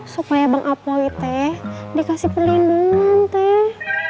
supaya bang apoi teh dikasih perlindungan teh